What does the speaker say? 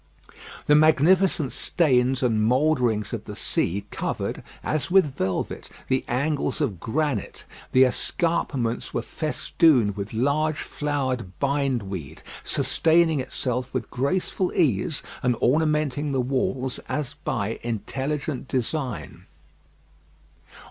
The magnificent stains and moulderings of the sea covered, as with velvet, the angles of granite. The escarpments were festooned with large flowered bindweed, sustaining itself with graceful ease, and ornamenting the walls as by intelligent design.